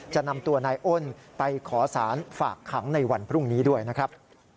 จะนำตัวนายอ้นไปขอสารฝากขังในวันพรุ่งนี้ด้วยนะครับ